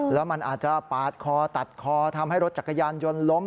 แล้วมันอาจจะปาดคอตัดคอทำให้รถจักรยานยนต์ล้ม